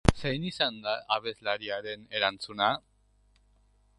Zein izan da abeslariaren erantzuna?